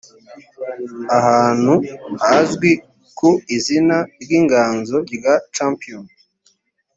ahantu hazwi ku izina ry inganzo ya campion